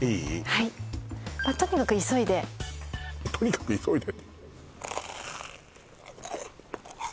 はいとにかく急いで「とにかく急いで」